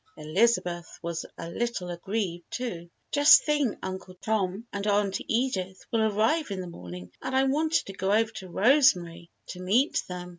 Elizabeth was a little aggrieved, too. "Just think, Uncle Tom and Aunt Edith will arrive in the morning and I wanted to go over to Rosemary to meet them.